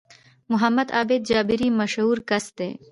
محمد عابد جابري مشهور کس دی